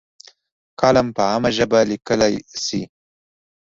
کالم په عامه ژبه لیکلی شي.